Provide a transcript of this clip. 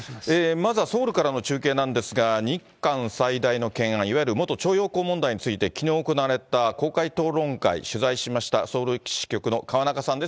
まずはソウルからの中継なんですが、日韓最大の懸案、いわゆる元徴用工問題について、きのう行われた公開討論会、取材しました、ソウル支局の河中さんです。